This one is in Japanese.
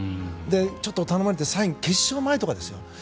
ちょっと頼まれてサイン、決勝前ですよ。